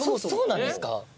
そうなんですか？